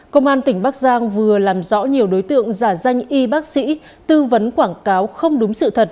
công an tỉnh bắc giang vừa làm rõ nhiều đối tượng giả danh y bác sĩ tư vấn quảng cáo không đúng sự thật